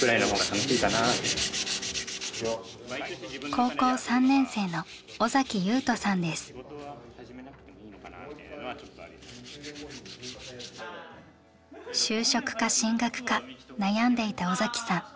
高校３年生の就職か進学か悩んでいた尾崎さん。